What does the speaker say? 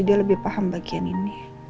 dia lebih paham bagian ini